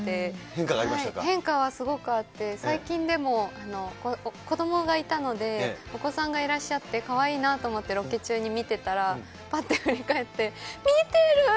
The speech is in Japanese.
変化はすごくあって、最近でも、子どもがいたので、お子さんがいらっしゃって、かわいいなと思って、ロケ中に見てたら、ぱっと振り返って、見てるー！